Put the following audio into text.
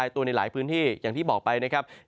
ตัวในหลายพื้นที่อย่างที่บอกไปนะครับ